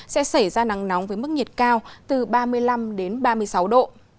sẽ xảy ra nắng nóng với mức nhiệt cao từ ba mươi năm đến ba mươi sáu độ